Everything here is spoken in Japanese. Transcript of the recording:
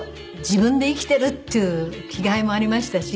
自分で生きてる！っていう気概もありましたし。